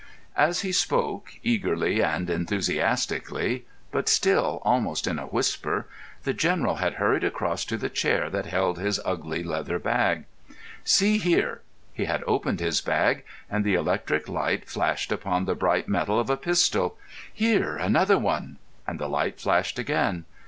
As he spoke, eagerly and enthusiastically, but still almost in a whisper, the General had hurried across to the chair that held his ugly leather bag. "See here!" He had opened his bag, and the electric light flashed upon the bright metal of a pistol. "Here—another one," and the light flashed again.